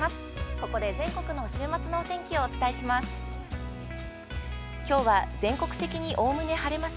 ここで全国の週末のお天気をお伝えします。